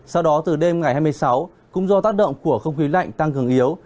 sau đó từ đêm ngày hai mươi sáu cũng do tác động của không khí lạnh tăng cường yếu